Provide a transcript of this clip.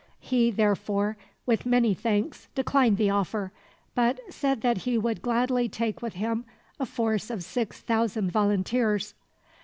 He therefore, with many thanks, declined the offer; but said that he would gladly take with him a force of six thousand volunteers.